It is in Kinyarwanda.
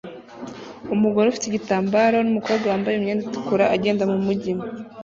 Umugore ufite igitambaro numukobwa wambaye imyenda itukura agenda mumujyi